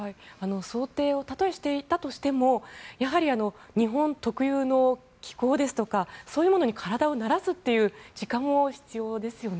想定をたとえしていたとしてもやはり、日本特有の気候ですとかそういうものに体を慣らす時間も必要ですよね。